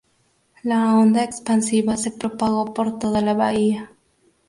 La onda expansiva se propagó por toda la bahía.